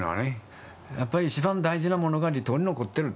やっぱり一番大事なものが離島に残ってると。